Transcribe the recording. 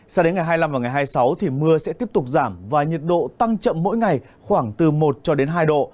sao đến ngày hai mươi năm và ngày hai mươi sáu thì mưa sẽ tiếp tục giảm và nhiệt độ tăng chậm mỗi ngày khoảng từ một cho đến hai độ